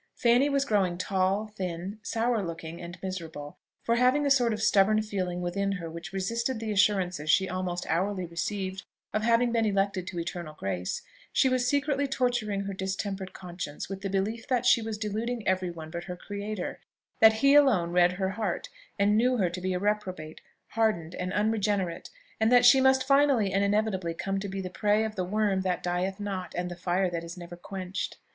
Fanny was growing tall, thin, sour looking, and miserable; for having a sort of stubborn feeling within her which resisted the assurances she almost hourly received of having been elected to eternal grace, she was secretly torturing her distempered conscience with the belief that she was deluding every one but her Creator, that he alone read her heart and knew her to be reprobate, hardened, and unregenerate, and that she must finally and inevitably come to be the prey of the worm that dieth not and the fire that is never quenched.